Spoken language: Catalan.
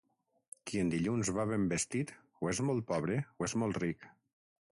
Qui en dilluns va ben vestit o és molt pobre o és molt ric.